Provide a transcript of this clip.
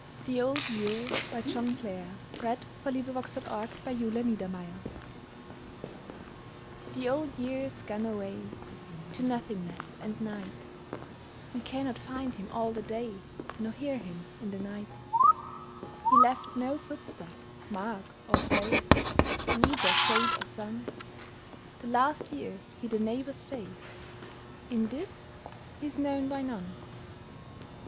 To the miller himsel', and his three bonny daughters. The Old Year The Old Year's gone away To nothingness and night: We cannot find him all the day Nor hear him in the night: He left no footstep, mark or place In either shade or sun: The last year he'd a neighbour's face, In this he's known by none.